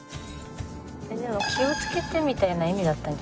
でも「気を付けて」みたいな意味だったんじゃない？